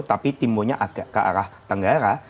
tapi timunya agak ke arah tenggara